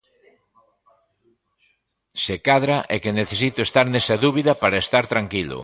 Se cadra é que necesito estar nesa dúbida para estar tranquilo.